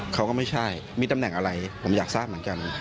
เขาก็ไม่ใช่มีตำแหน่งอะไรผมอยากทราบเหมือนกัน